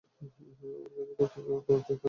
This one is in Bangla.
আমার কথায় কানই দিচ্ছে না কেউ!